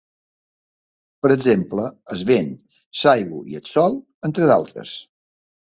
Per exemple el vent, l'aigua i el sol, entre d'altres.